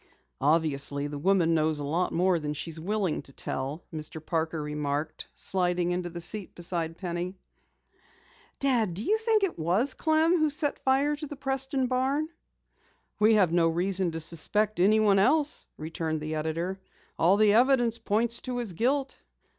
"Obviously, the woman knows a lot more than she's willing to tell," Mr. Parker remarked, sliding into the car seat beside Penny. "Dad, do you think it was Clem who set fire to the Preston barn?" "We have no reason to suspect anyone else," returned the editor. "All the evidence points to his guilt."